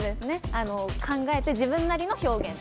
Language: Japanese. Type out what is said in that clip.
考えて自分なりの表現。